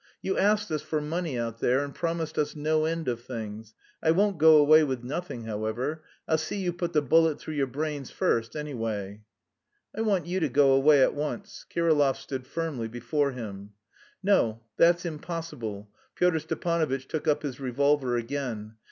"You asked us for money out there and promised us no end of things.... I won't go away with nothing, however: I'll see you put the bullet through your brains first, anyway." "I want you to go away at once." Kirillov stood firmly before him. "No, that's impossible." Pyotr Stepanovitch took up his revolver again.